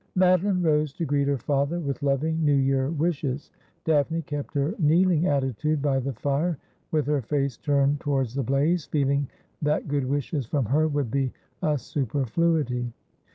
Madeline rose to greet her father with loving New Year wishes. Daphne kept her kneeling attitude by the fire, with her face turned towards the blaze, feeling that good wishes from her would be a superfluity.